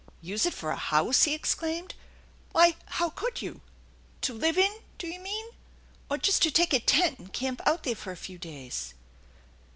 " Use it for a house !" he exclaimed. " Why, how could you? To live in, do you mean? or just to take a tent and camp out there for a few days